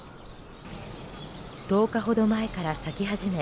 １０日ほど前から先始め